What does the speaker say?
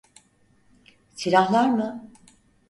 Silahlar mı?